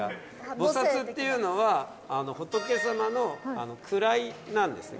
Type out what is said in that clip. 菩薩っていうのは仏様の位なんですね。